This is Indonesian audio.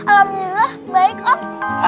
alhamdulillah baik om